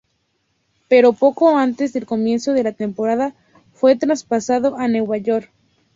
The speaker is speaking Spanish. Pero poco antes del comienzo de la temporada, fue traspasado a New York Knicks.